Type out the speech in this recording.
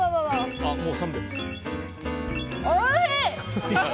おいしい！